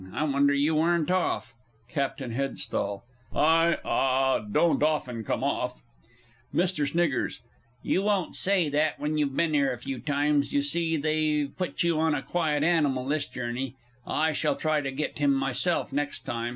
I wonder you weren't off. CAPT. H. I ah don't often come off. MR. S. You won't say that when you've been 'ere a few times. You see, they've put you on a quiet animal this journey. I shall try to get him myself next time.